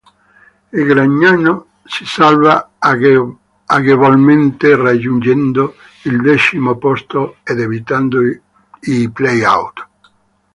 Il Gragnano si salva agevolmente raggiungendo il decimo posto ed evitando i play-out.